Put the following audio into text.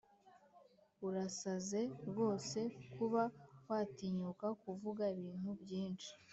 urasaze rwose kuba watinyuka kuvuga ibintu byinshi?